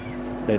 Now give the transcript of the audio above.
để đảm bảo